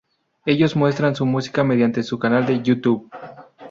Ellos muestran su música mediante su canal de YouTube.